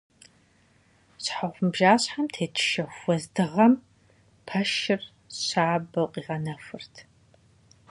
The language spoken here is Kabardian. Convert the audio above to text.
Щхьэгъубжащхьэм тет шэху уэздыгъэм пэшыр щабэу къигъэнэхурт.